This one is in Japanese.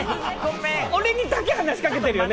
俺にだけ話しかけてるよね？